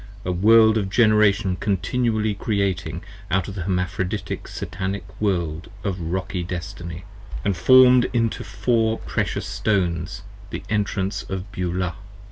A World of Generation continually Creating, out of 51 The Hermaphroditic Satanic World of rocky destiny, p. 59 AND formed into Four precious stones, for enterance from Beulah.